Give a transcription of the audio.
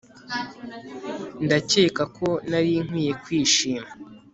Ndakeka ko nari nkwiye kwishima